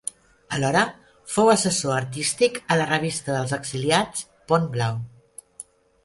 Alhora, fou assessor artístic a la revista dels exiliats Pont Blau.